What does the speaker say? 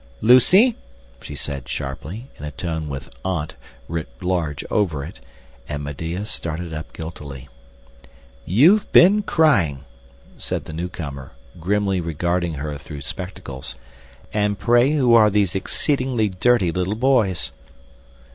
"Lucy!" she said, sharply, in a tone with AUNT writ large over it; and Medea started up guiltily. "You've been crying," said the newcomer, grimly regarding her through spectacles. "And pray who are these exceedingly dirty little boys?"